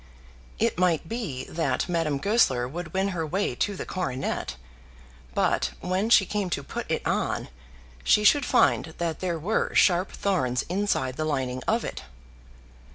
It might be that Madame Goesler would win her way to the coronet; but when she came to put it on, she should find that there were sharp thorns inside the lining of it.